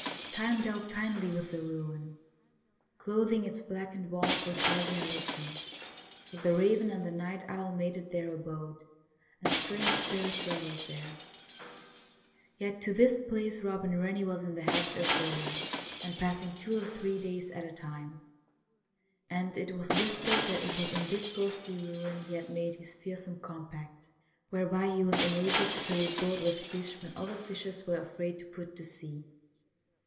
Time dealt kindly with the ruin, clothing its blackened walls with ivy and lichen ; but the raven and the night owl made it their abode, and strange spirits revelled there. Yet to this place Eobin Eennie was in the habit of going and passing two or three days at a time ; and it was whispered that it was in this ghostly ruin he had made his fearsome compact, whereby he was enabled to fill his boat with fish when other fishers were afraid to put to sea.